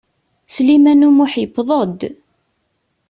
Sliman U Muḥ yewweḍ-d.